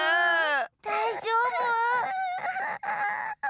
だいじょうぶ？